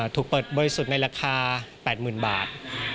ถูกเปิดบริสุทธิ์ในราคา๘๐๐๐บาท